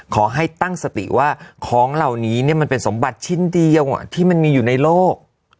ขอให้ตั้งสติว่าของเหล่านี้มันเป็นสมบัติชิ้นเดียวที่มันมีอยู่ในโลก